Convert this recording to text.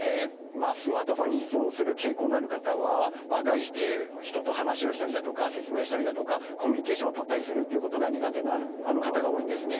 まあスマートフォンに依存する傾向のある方は概して人と話をしたりだとか説明したりだとかコミュニケーションをとったりするっていうことが苦手な方が多いんですね。